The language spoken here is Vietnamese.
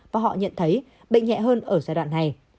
và họ nhận thấy bệnh nhẹ hơn ở giai đoạn này